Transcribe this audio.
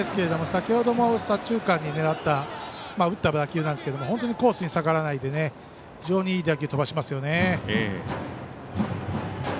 先ほども左中間に狙った打った打球なんですけど本当にコースに逆らわないで非常にいい打球を飛ばしますよね。